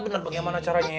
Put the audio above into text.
bener bagaimana caranya